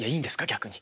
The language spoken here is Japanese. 逆に。